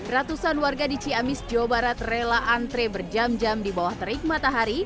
ratusan warga di ciamis jawa barat rela antre berjam jam di bawah terik matahari